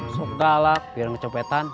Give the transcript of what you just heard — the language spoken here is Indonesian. sudah lah biar kecopetan